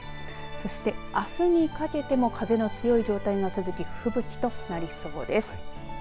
そして、あすにかけても風の強い状態が続き吹雪となりそうです。